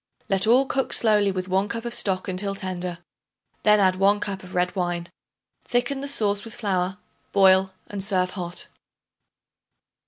Let all cook slowly with 1 cup of stock until tender; then add 1 cup of red wine. Thicken the sauce with flour, boil and serve hot.